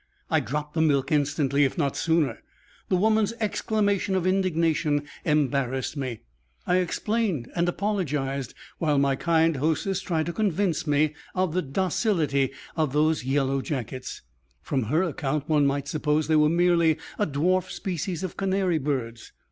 I dropped the milk instantly, if not sooner. The woman's exclamation of indignation embarrassed me. I explained and apologized, while my kind "hostess" tried to convince me of the docility of those yellow jackets; from her account one might suppose they were merely a dwarf species of canary birds.